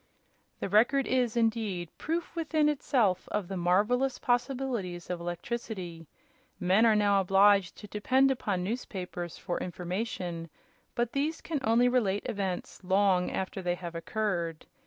"The Record is, indeed, proof within itself of the marvelous possibilities of electricity. Men are now obliged to depend upon newspapers for information; but these can only relate events long after they have occurred.